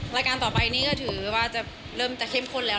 รายการต่อไปนี้ถือว่าจะลดจะเข้มขนแล้ว